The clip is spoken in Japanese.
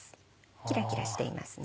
キラキラしていますね。